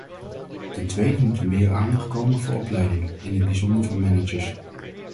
Ten tweede moet er meer aandacht komen voor opleiding, in het bijzonder van managers.